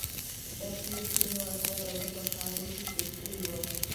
دا ټولې ستنې او اثار د غره په ګارو کې جوړ شوي وو.